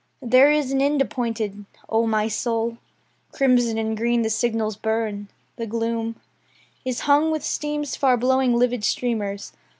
... There is an end appointed, O my soul! Crimson and green the signals burn; the gloom Is hung with steam's far blowing livid streamers.